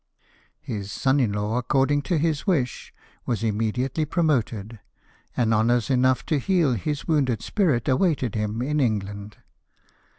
His son in law, according to his wish, was imme diately promoted; and honours enough to heal his wounded spirit awaited him in England.